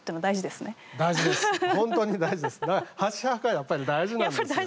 やっぱり大事なわけですね。